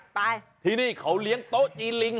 ไปที่นี่เขาเลี้ยงโต๊ะจีนลิง